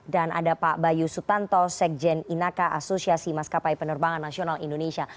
dan ada pak bayu sutanto sekjen inaka asosiasi maskapai penerbangan nasional indonesia